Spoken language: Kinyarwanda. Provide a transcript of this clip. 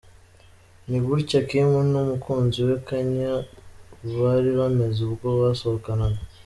Ni gutya Kim n'umukunzi we Kanye bari bameze ubwo basohokanaga.